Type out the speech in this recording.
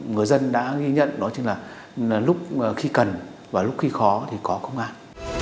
người dân đã ghi nhận đó là lúc khi cần và lúc khi khó thì có công an